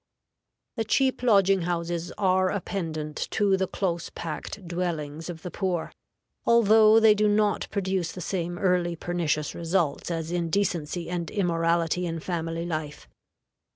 The cheap lodging houses are a pendant to the close packed dwellings of the poor, although they do not produce the same early pernicious results as indecency and immorality in family life.